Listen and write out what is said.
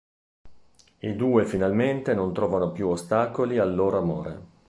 I due finalmente non trovano più ostacoli al loro amore.